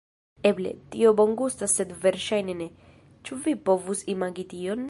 Eble, tio bongustas sed verŝajne ne... ĉu vi povus imagi tion?